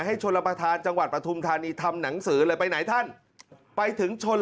ให้โชรปฐานจังหวัดปฐุมธานีทำหนังสือเลย